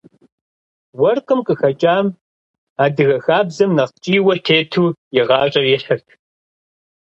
Уэркъым къыхэкӏам адыгэ хабзэм нэхъ ткӏийуэ тету и гъащӏэр ихьырт.